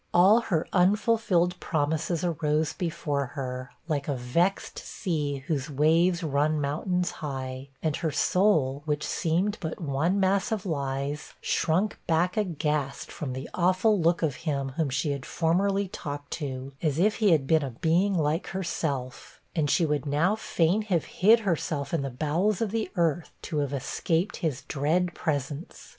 All her unfulfilled promises arose before her, like a vexed sea whose waves run mountains high; and her soul, which seemed but one mass of lies, shrunk back aghast from the 'awful look' of him whom she had formerly talked to, as if he had been a being like herself; and she would now fain have hid herself in the bowels of the earth, to have escaped his dread presence.